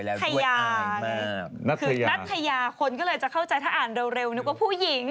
นัทยาคนก็เลยจะเข้าใจถ้าอ่านเร็วนึกว่าผู้หญิง